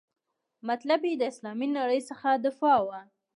مطلب یې د اسلامي نړۍ څخه دفاع وه.